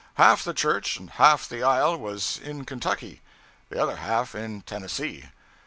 Half the church and half the aisle was in Kentucky, the other half in Tennessee.